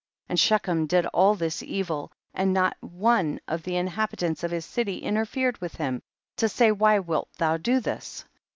53. And Shechem did all this evil and not one of the inhabitants of his city interfered with him, to say, why wilt thou do this